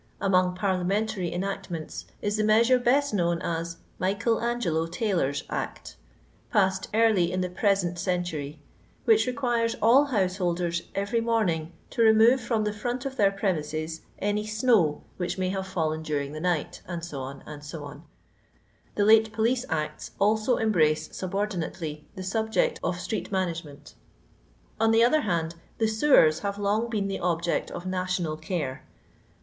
Among parliamentary enactments is the measure best known as "Michael Angelo Taylor's Act," passed early in the present century, which requires all householders every morning to re move from the front of their premises any snow which may have fallen during the night, &c., &c. ; the late Police Acts also embrace subordinately the subject of street management On the other hand the sewers have long been the object of national care.